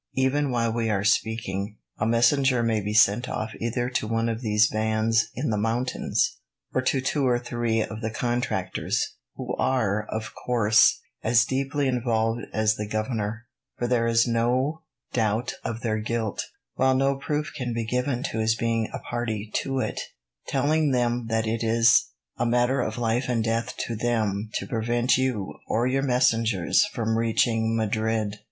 Even while we are speaking, a messenger may be sent off either to one of these bands in the mountains, or to two or three of the contractors who are, of course, as deeply involved as the governor, for there is no doubt of their guilt, while no proof can be given to his being a party to it telling them that it is a matter of life and death to them to prevent you or your messengers from reaching Madrid."